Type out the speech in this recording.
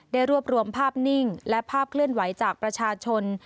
ได้รวบรวมภาพนิ่งและภาพเคลื่อนไหวจากประชาชน